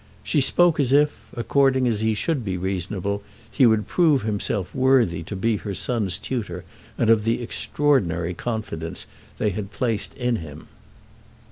She spoke as if, according as he should be reasonable, he would prove himself worthy to be her son's tutor and of the extraordinary confidence they had placed in him.